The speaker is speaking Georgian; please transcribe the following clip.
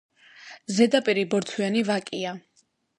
ზედაპირი ბორცვიანი ვაკეა.